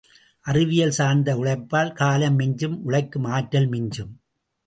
அறிவியல் சார்ந்த உழைப்பால் காலம் மிஞ்சும் உழைக்கும் ஆற்றல் மிஞ்சும்.